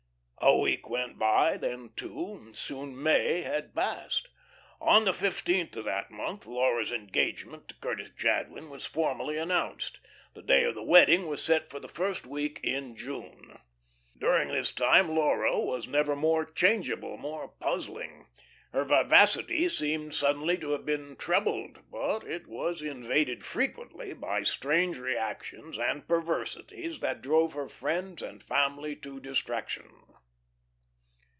A week went by, then two, soon May had passed. On the fifteenth of that month Laura's engagement to Curtis Jadwin was formally announced. The day of the wedding was set for the first week in June. During this time Laura was never more changeable, more puzzling. Her vivacity seemed suddenly to have been trebled, but it was invaded frequently by strange reactions and perversities that drove her friends and family to distraction.